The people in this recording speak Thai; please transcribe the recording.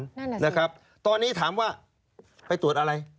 นั่นแหละนะครับตอนนี้ถามว่าไปตรวจอะไร